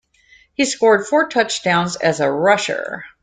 He scored four touchdowns as a rusher.